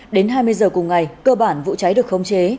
đến hai mươi giờ cùng ngày cơ bản vụ cháy được khống chế